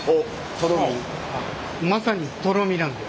まさにとろみなんです。